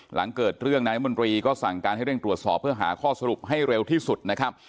หลังเกิดเรื่องนายมนตรีก็สั่งการให้เร่งตรวจสอบเพื่อหาข้อสรุปให้เร็วที่สุดนะครับ